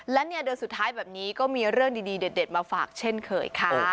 และเนี่ยเดือนสุดท้ายแบบนี้ก็มีเรื่องดีเด็ดมาฝากเช่นเคยค่ะ